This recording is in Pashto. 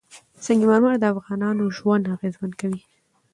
سنگ مرمر د افغانانو ژوند اغېزمن کوي.